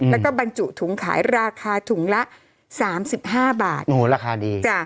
แล้วก็บรรจุถุงขายราคาถุงละ๓๕บาท